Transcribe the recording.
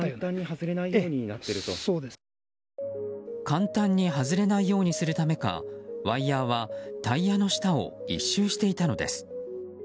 簡単に外れないようにするためかワイヤはタイヤの下を１周していたのです。